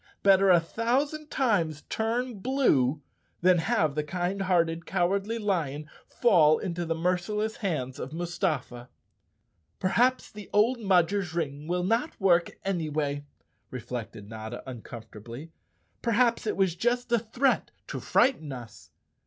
Better a thousand times turn blue than have the kind hearted Cowardly Lion fall into the merciless hands of Mustafa. "Perhaps the old Mudger's ring will not work any way," reflected Notta uncomfortably. " Perhaps it was just a threat to frighten us."